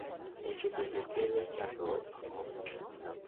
Tuoche bende kelo chandruoge moko e osiptal.